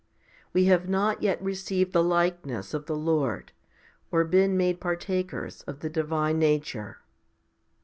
We have not yet received the likeness of the Lord nor been made partakers of the divine nature.